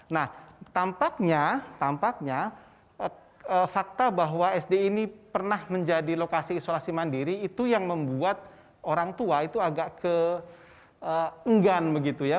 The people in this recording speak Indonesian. nah tampaknya tampaknya fakta bahwa sd ini pernah menjadi lokasi isolasi mandiri itu yang membuat orang tua itu agak keenggan begitu ya